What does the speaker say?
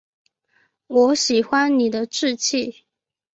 我喜欢你的志气